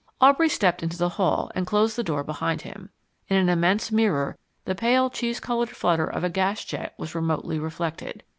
Aubrey stepped into the hall and closed the door behind him. In an immense mirror the pale cheese coloured flutter of a gas jet was remotely reflected.